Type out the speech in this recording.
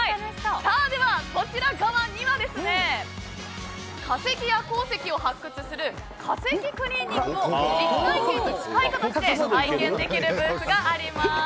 こちら側には化石や鉱石を発掘する化石クリーニングを実体験に近い形で体験できるブースがあります。